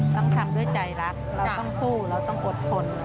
ต้องทำด้วยใจรักเราต้องสู้เราต้องอดทน